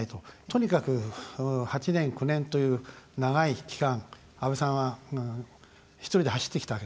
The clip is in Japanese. とにかく８年、９年という長い期間、安倍さんは１人で走ってきたわけですね。